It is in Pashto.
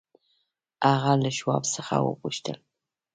هغه له شواب څخه وپوښتل.